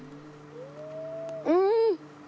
うん。